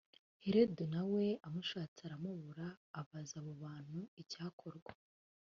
herode na we amushatse aramubura abaza abo bantu icyakorwa